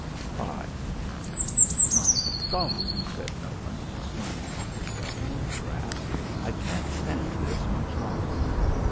V "My Gawd," said Nolan, squirming on his belly in the grass, "I can't stand this much longer."